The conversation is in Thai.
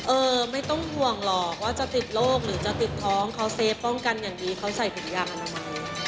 เออไม่ต้องห่วงหรอกว่าจะติดโรคหรือจะติดท้องเขาเซฟป้องกันอย่างดีเขาใส่ถุงยางอนามัย